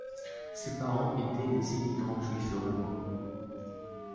Ses parents étaient des immigrants juifs roumains.